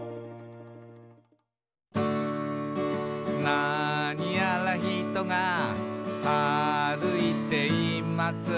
「なにやらひとが歩いています」